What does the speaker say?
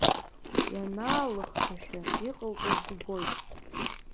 Ианаалыхҭашәа иҟалҵаз убоит.